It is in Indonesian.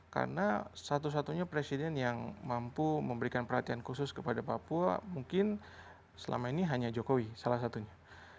karena satu satunya presiden yang mampu memberikan perhatian khusus kepada papua mungkin selama ini hanya jokowi salah satunya